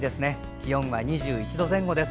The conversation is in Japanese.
気温は２１度前後です。